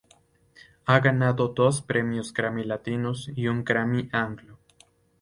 Ha ganado dos Premios Grammy Latinos y un Grammy anglo.